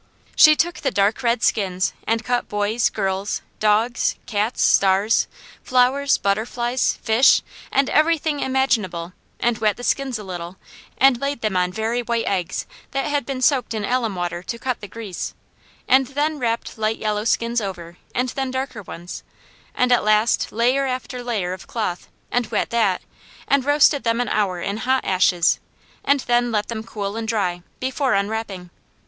She took the dark red skins and cut boys, girls, dogs, cats, stars, flowers, butterflies, fish, and everything imaginable, and wet the skins a little and laid them on very white eggs that had been soaked in alum water to cut the grease, and then wrapped light yellow skins over, and then darker ones, and at last layer after layer of cloth, and wet that, and roasted them an hour in hot ashes and then let them cool and dry, before unwrapping.